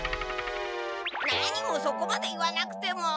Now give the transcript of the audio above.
なにもそこまで言わなくても。